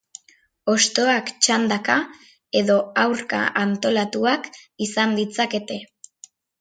Hostoak txandaka edo aurka antolatuak izan ditzakete.